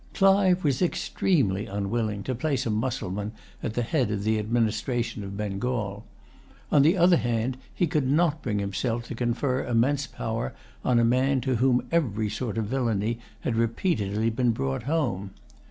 Clive was extremely unwilling to place a Mussulman at the head of the administration of Bengal. On the other hand, he could not bring himself to confer immense power on a man to whom every sort of villainy had repeatedly been brought home.